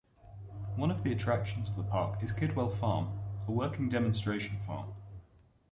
One of the attractions of the park is Kidwell Farm, a working demonstration farm.